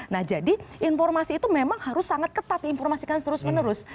nah jadi informasi itu memang harus sangat ketat diinformasikan terus menerus